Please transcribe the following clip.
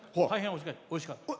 大変おいしかったです。